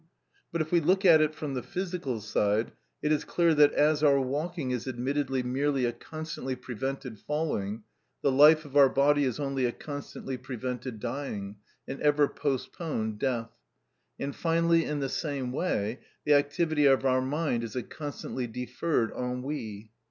But if we look at it from the physical side; it is clear that, as our walking is admittedly merely a constantly prevented falling, the life of our body is only a constantly prevented dying, an ever postponed death: finally, in the same way, the activity of our mind is a constantly deferred ennui.